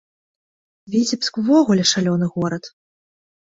Віцебск увогуле шалёны горад.